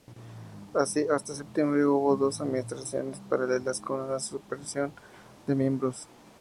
Así, hasta septiembre hubo dos administraciones paralelas con una superposición de miembros.